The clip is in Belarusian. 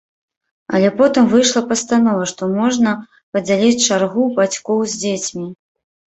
Але потым выйшла пастанова, што можна падзяліць чаргу бацькоў з дзецьмі.